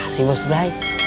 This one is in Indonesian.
makasih bos bry